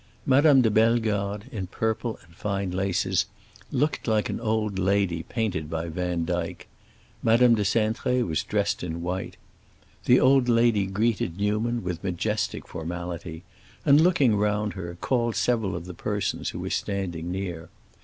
Madame de Bellegarde, in purple and fine laces, looked like an old lady painted by Vandyke; Madame de Cintré was dressed in white. The old lady greeted Newman with majestic formality, and looking round her, called several of the persons who were standing near.